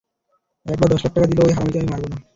এক বা দশ লাখ টাকা দিলেও ওই হারামিকে আমি মারব না।